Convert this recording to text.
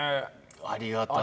ありがたい。